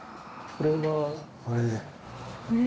これは？